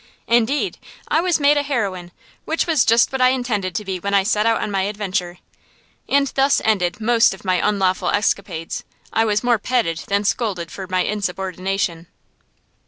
Indeed, I was made a heroine, which was just what I intended to be when I set out on my adventure. And thus ended most of my unlawful escapades; I was more petted than scolded for my insubordination.